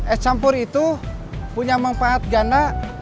es campur itu punya manfaat ganda